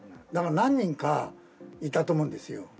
だから何人かいたと思うんですよ。